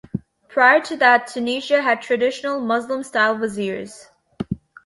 Prior to that, Tunisia had traditional Muslim-style viziers.